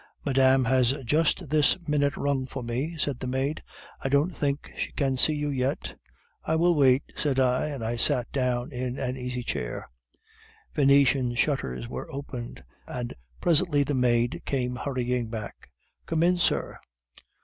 "'"Madame has just this minute rung for me," said the maid; "I don't think she can see you yet." "'"I will wait," said I, and sat down in an easy chair. "'Venetian shutters were opened, and presently the maid came hurrying back. "'"Come in, sir."